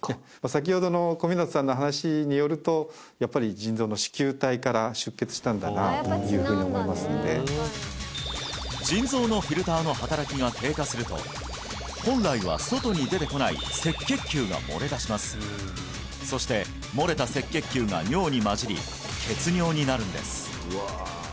先ほどの小湊さんの話によるとやっぱりんだなというふうに思いますんで腎臓のフィルターの働きが低下すると本来は外に出てこない赤血球が漏れ出しますそして漏れた赤血球が尿に混じり血尿になるんです